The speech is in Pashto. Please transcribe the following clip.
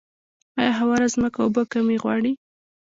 آیا هواره ځمکه اوبه کمې غواړي؟